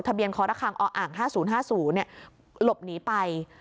ทะเบียนคอระคังออ่างห้าศูนย์ห้าศูนย์เนี่ยหลบหนีไป